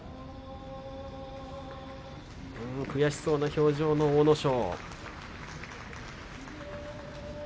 悔しそうな表情の阿武咲。